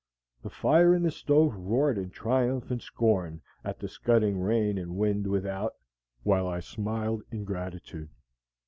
The fire in the stove roared in triumph and scorn at the scudding rain and wind without, while I smiled in gratitude.